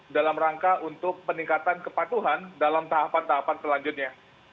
dalam rangka untuk peningkatan kepatuhan dalam tahapan tahapan selanjutnya